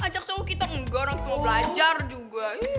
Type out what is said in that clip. ajak cowok kita ngegorong kita mau belajar juga